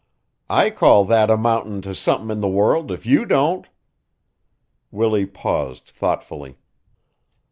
I call that amountin' to somethin' in the world if you don't." Willie paused thoughtfully.